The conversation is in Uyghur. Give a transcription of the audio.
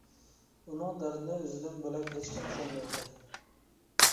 ئۇنىڭ دەردىنى ئۆزىدىن بۆلەك ھېچكىم چۈشەنمەيتتى.